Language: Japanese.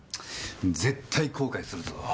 絶対後悔するぞ。